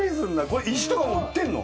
これ石とかも売ってるの？